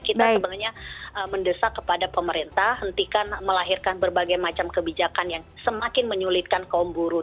kita sebenarnya mendesak kepada pemerintah hentikan melahirkan berbagai macam kebijakan yang semakin menyulitkan kaum buruh